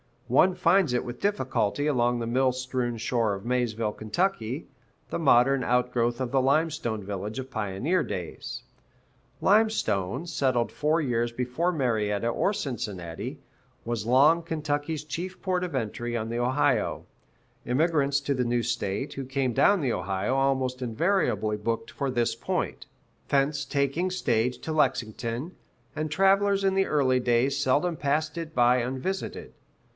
One finds it with difficulty along the mill strewn shore of Maysville, Ky., the modern outgrowth of the Limestone village of pioneer days. Limestone, settled four years before Marietta or Cincinnati, was long Kentucky's chief port of entry on the Ohio; immigrants to the new state, who came down the Ohio, almost invariably booked for this point, thence taking stage to Lexington, and travelers in the early day seldom passed it by unvisited.